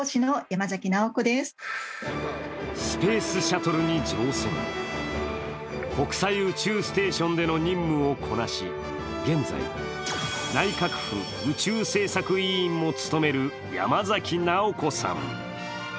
スペースシャトルに乗船し、国際宇宙ステーションでの任務をこなし、現在、内閣府宇宙政策委員も務める山崎直子さん。